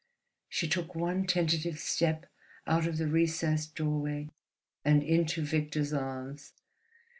She took one tentative step out of the recessed doorway and into Victor's arms.